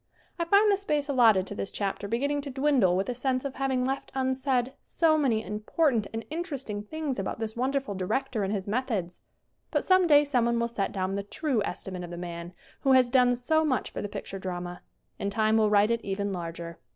I find the space allotted to this chapter begin ning to dwindle with a sense of having left unsaid so many important and interesting things about this wonderful director and his methods. But someday someone will set down the true estimate of the man who has done so much for the picture drama. And Time will write it even larger.